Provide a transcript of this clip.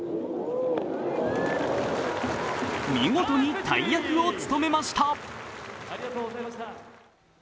見事に大役を務めました。